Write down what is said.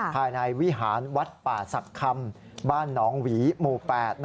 ภายในวิหารวัดป่าศักดิ์คำบ้านหนองหวีหมู่๘